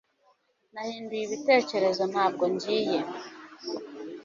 Nahinduye ibitekerezo ntabwo rero ngiye